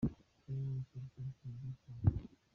always solution can be found.